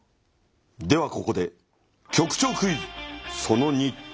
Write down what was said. ではここで局長クイズその２。